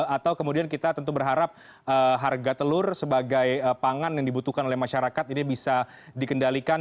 atau kemudian kita tentu berharap harga telur sebagai pangan yang dibutuhkan oleh masyarakat ini bisa dikendalikan